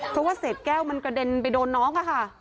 เพราะว่าเศษแก้วมันกระเด็นไปโดนน้องค่ะ